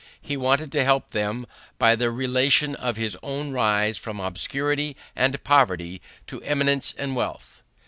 He wanted to help them by the relation of his own rise from obscurity and poverty to eminence and wealth.